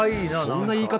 そんな言い方？